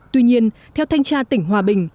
tuy nhiên theo thanh tra tỉnh hòa bình